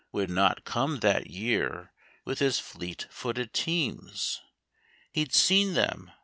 Would not come that year with his fleet footed teams. He'd seen them.